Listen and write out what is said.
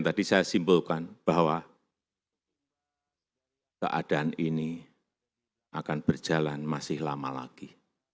dan tadi saya simpulkan bahwa keadaan ini akan berjalan masih lama lagi